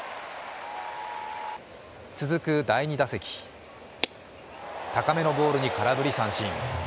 続く第２打席、高めのボールに空振り三振。